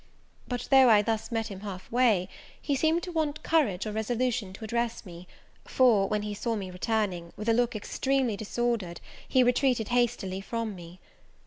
But, though I thus met him half way, he seemed to want courage or resolution to address me; for, when he saw me returning, with a look extremely disordered, he retreated hastily from me.